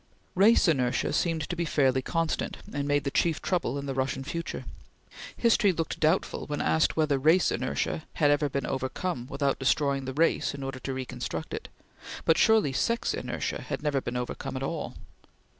Race inertia seemed to be fairly constant, and made the chief trouble in the Russian future. History looked doubtful when asked whether race inertia had ever been overcome without destroying the race in order to reconstruct it; but surely sex inertia had never been overcome at all.